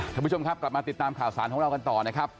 ท่านผู้ชมครับกลับมาติดตามข่าวสารของเรากันต่อนะครับ